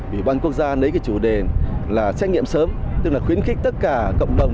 ủy ban quốc gia lấy cái chủ đề là xét nghiệm sớm tức là khuyến khích tất cả cộng đồng